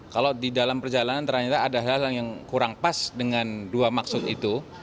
kalau di dalam perjalanan ternyata ada hal yang kurang pas dengan dua maksud itu